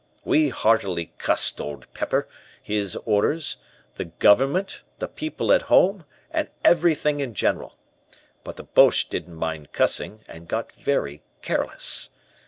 We heartily cussed Old Pepper, his orders, the government, the people at home, and everything in general. But the Boches didn't mind cussing, and got very careless.